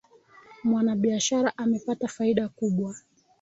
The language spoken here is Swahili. Mwanabiashara amepata faida kubwa